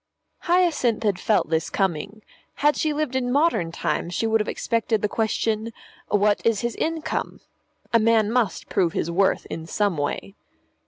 Hyacinth had felt this coming. Had she lived in modern times she would have expected the question, "What is his income?" A man must prove his worth in some way.